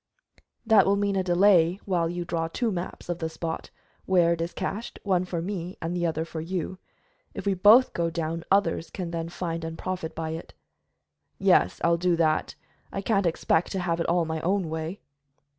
"That will mean a delay while you draw two maps of the spot where it is cached, one for me and the other for you. If we both go down, others can then find and profit by it." "Yes, I'll do that. I can't expect to have it all my own way."